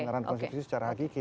pembenaran konstitusi secara hakiki